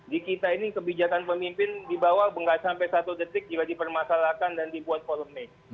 di kita ini kebijakan pemimpin di bawah enggak sampai satu detik juga dipermasalahkan dan dibuat polemik